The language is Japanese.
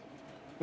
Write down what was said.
何？